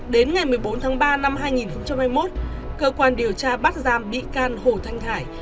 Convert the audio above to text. đến ngày một mươi bốn tháng ba năm hai nghìn hai mươi một cơ quan điều tra bắt giam bị can hồ thanh hải